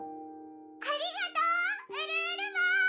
ありがとうウルウルマン！